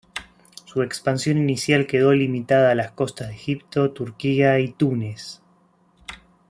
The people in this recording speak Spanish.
Su expansión inicial quedó limitada a las costas de Egipto, Turquía y Túnez.